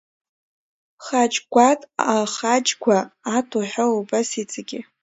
Хаџьгәаҭ ахаџьгәа аҭ уҳәа убас иҵегьы.